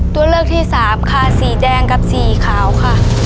ตัวเลือกที่สามค่ะสีแดงกับสีขาวค่ะ